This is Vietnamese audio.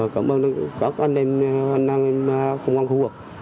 cảm ơn anh em khu văn khu vực